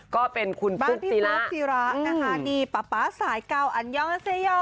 ก็เป็นคุณฟลุ๊กศิราบ้านพี่ฟลุ๊กศิรานาฮารีป้าสายเก่าอันยองเซโย